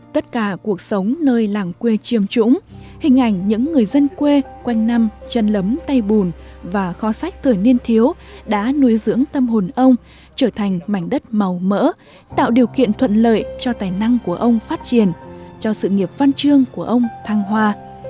tất cả cuộc sống nơi làng quê chiêm trũng hình ảnh những người dân quê quanh năm chân lấm tay bùn và kho sách thời niên thiếu đã nuôi dưỡng tâm hồn ông trở thành mảnh đất màu mỡ tạo điều kiện thuận lợi cho tài năng của ông phát triển cho sự nghiệp văn chương của ông thăng hoa